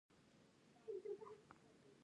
د علامه رشاد کتابتون نسخه رک په نخښه ښوول کېږي.